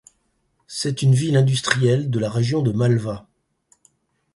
C'est une ville industrielle de la région de Malva.